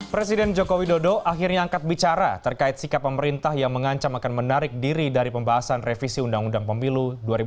presiden joko widodo akhirnya angkat bicara terkait sikap pemerintah yang mengancam akan menarik diri dari pembahasan revisi undang undang pemilu dua ribu sembilan belas